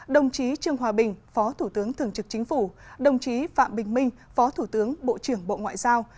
đồng chí trương hòa bình phó thủ tướng thường trực chính phủ đồng chí phạm bình minh phó thủ tướng bộ trưởng bộ ngoại giao